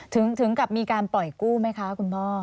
ถึงกับมีการปล่อยกู้ไหมคะคุณพ่อ